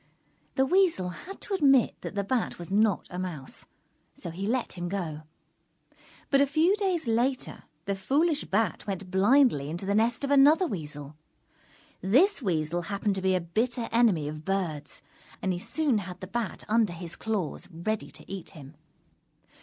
The Weasel had to admit that the Bat was not a Mouse, so he let him go. But a few days later, the foolish Bat went blindly into the nest of another Weasel. This Weasel happened to be a bitter enemy of Birds, and he soon had the Bat under his claws, ready to eat him.